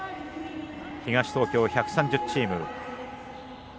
東東京１３０チーム。